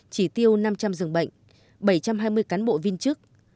chỉ tiêu năm trăm linh dường bệnh bảy trăm hai mươi cán bộ viên chức